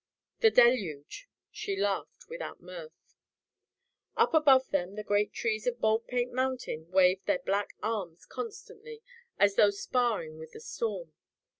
"The deluge," she laughed without mirth. Up above them the great trees of Baldpate Mountain waved their black arms constantly as though sparring with the storm.